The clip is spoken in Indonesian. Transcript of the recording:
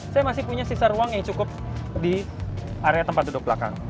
saya masih punya sisa ruang yang cukup di area tempat duduk belakang